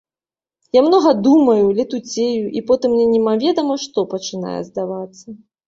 Я многа думаю, летуцею, і потым мне немаведама што пачынае здавацца.